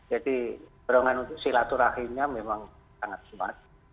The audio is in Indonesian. jadi perangkan untuk silaturahimnya memang sangat suat